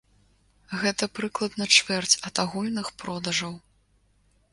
Гэта прыкладна чвэрць ад агульных продажаў.